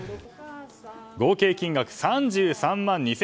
合計金額３３万２０００円。